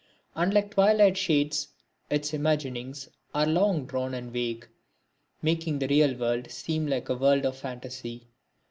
And like twilight shades its imaginings are long drawn and vague, making the real world seem like a world of phantasy.